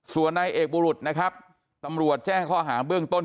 ส่วนนายเอกบุรุษนะครับตำรวจแจ้งข้อหาเบื้องต้น